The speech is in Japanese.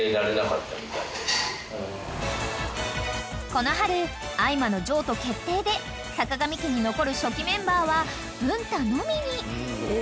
［この春あいまの譲渡決定でさかがみ家に残る初期メンバーは文太のみに］